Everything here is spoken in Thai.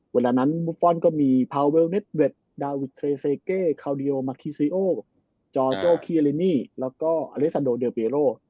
เวลานั้นบุฟฟอลด์ก็มีพาวเวลเนทเวทดาวิทเตรเซเกคาลดิโอมาคิซิโอจอร์โจคิอเลนี่แล้วก็อเลซาโดเดอร์เบียโร